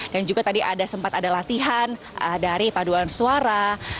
dan juga tadi ada sempat ada latihan dari paduan suara